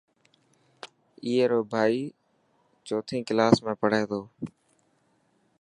اي رو ڀائي چوٿي ڪلاس ۾ پهري تو.